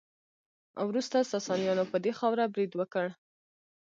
وروسته ساسانیانو په دې خاوره برید وکړ